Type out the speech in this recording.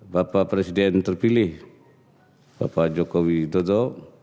bapak presiden terpilih bapak jokowi dodo